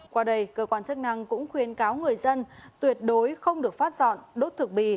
qua đây cơ quan chức năng cũng khuyên cáo người dân tuyệt đối không được phát dọn đốt thực bì